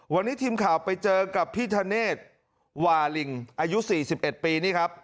วันนี้ทีมข่าวไปเจอกับพี่ธเนธวาลิงอายุ๔๑ปีนี่ครับ